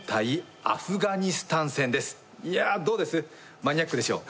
マニアックでしょう。